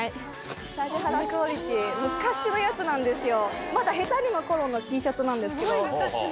「指原クオリティ」昔のやつなんですよ。